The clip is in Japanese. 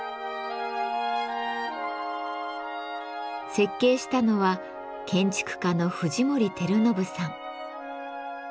設計したのは建築家の藤森照信さん。